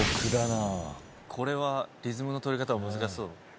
これはリズムの取り方難しそう。